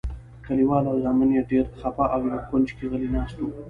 کلیوال او زامن یې ډېر خپه او یو کونج کې غلي ناست وو.